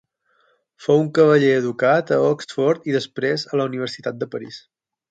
Fou un cavaller educat a Oxford i després a la Universitat de París.